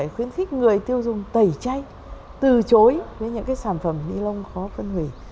khuyến khích người tiêu dùng tẩy chay từ chối với những sản phẩm ni lông khó phân hủy